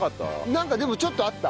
なんかでもちょっとあった。